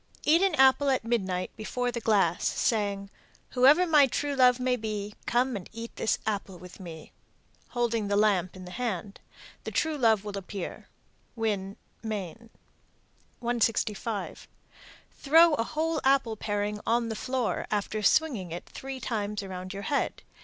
Eat an apple at midnight before the glass, saying, Whoever my true love may be, Come and eat this apple with me, holding the lamp in the hand. The true love will appear. Winn, Me. 165. Throw a whole apple paring on the floor, after swinging it three times around your head.